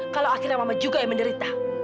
kalau akhirnya mama juga yang menderita